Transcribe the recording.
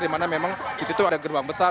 dimana memang disitu ada gerbang besar